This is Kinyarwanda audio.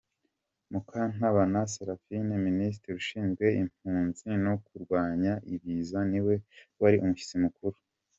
Mukantabana Seraphine Ministiri ushinzwe impuzi no kurwanya ibiza ni we wari umushyitsi mukuru.